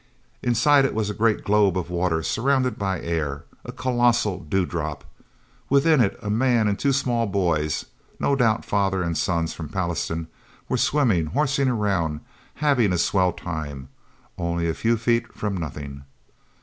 Inside it was a great globe of water surrounded by air a colossal dewdrop. Within it, a man and two small boys no doubt father and sons from Pallastown, were swimming, horsing around, having a swell time only a few feet from nothing.